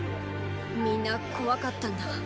みんな怖かったんだ。